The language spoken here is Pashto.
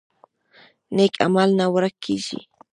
نیک عمل نه ورک کیږي